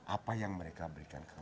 apa yang mereka berikan